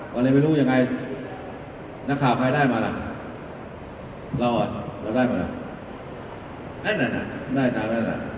ขึ้นมาพี่จับ